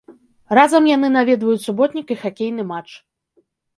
Разам яны наведваюць суботнік і хакейны матч.